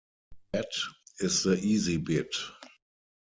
That is the easy bit.